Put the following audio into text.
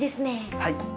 はい。